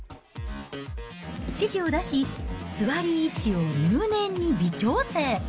指示を出し、座り位置を入念に微調整。